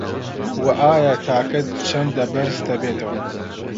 وه ئایا تاکەت چەندە بەرز دەبێتەوه